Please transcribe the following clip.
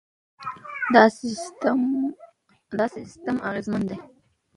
دا سیستم اغېزمن دی.